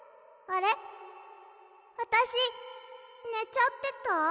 あたしねちゃってた？